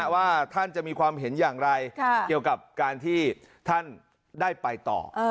ว่าท่านจะมีความเห็นอย่างไรเกี่ยวกับการที่ท่านได้ไปต่อ